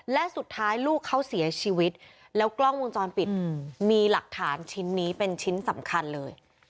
และสุดท้ายลูกเขาเสียชีวิตแล้วกล้องวงจรปิดมีหลักฐานชิ้นนี้เป็นชิ้นสำคัญเลย